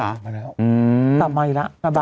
อืมตามมาอีกแล้ว